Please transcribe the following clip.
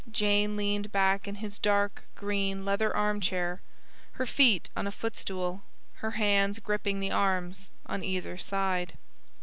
Jane leaned back in his dark green leather arm chair, her feet on a footstool, her hands gripping the arms on either side.